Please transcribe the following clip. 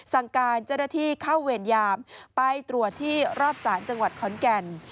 สั่งการเจ้าหน้าที่เข้าเวรยามไปตรวจที่รอบศาลจังหวัดขอนแก่น